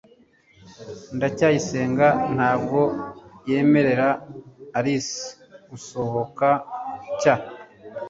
ndacyayisenga ntabwo yemerera alice gusohoka cy